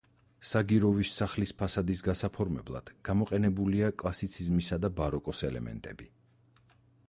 საგიროვის სახლის ფასადის გასაფორმებლად გამოყენებულია კლასიციზმისა და ბაროკოს ელემენტები.